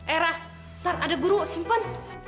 eh rah ntar ada guru simpan